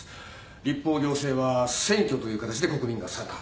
立法行政は選挙という形で国民が参加。